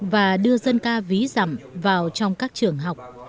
và đưa dân ca ví giảm vào trong các trường học